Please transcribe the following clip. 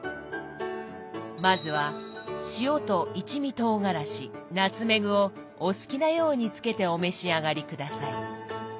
まずは塩と一味とうがらしナツメグをお好きなようにつけてお召し上がり下さい。